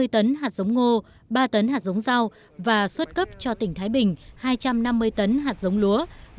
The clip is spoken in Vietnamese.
hai mươi tấn hạt giống ngô ba tấn hạt giống rau và xuất cấp cho tỉnh thái bình hai trăm năm mươi tấn hạt giống lúa